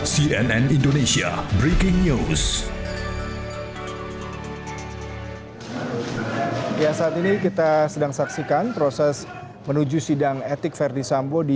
cnn indonesia breaking news